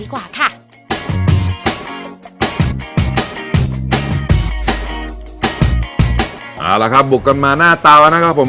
เอาละครับบุกกันมาหน้าเตาแล้วนะครับผม